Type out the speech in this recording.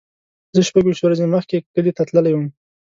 زه شپږ ویشت ورځې مخکې کلی ته تللی وم.